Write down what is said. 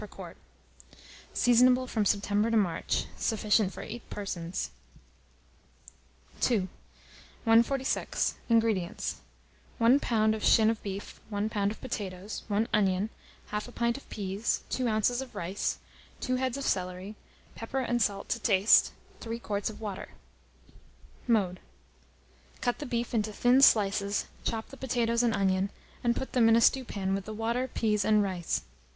per quart. Seasonable from September to March. Sufficient for 8 persons. II. 146. INGREDIENTS. 1 lb. of shin of beef, 1 lb. of potatoes, 1 onion, 1/2 a pint of peas, 2 oz. of rice, 2 heads of celery, pepper and salt to taste, 3 quarts of water. Mode. Cut the beef into thin slices, chop the potatoes and onion, and put them in a stewpan with the water, peas, and rice.